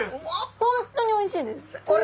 本当においしいです！